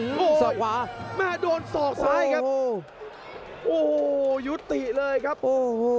โอ้โหสอกขวาแม่โดนศอกซ้ายครับโอ้โหยุติเลยครับโอ้โห